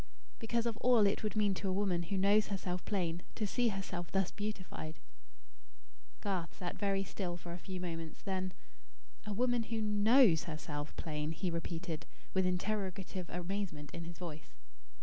"Because of all it would mean to a woman who knows herself plain, to see herself thus beautified." Garth sat very still for a few moments. Then: "A woman who knows herself plain?" he repeated, with interrogative amazement in his voice.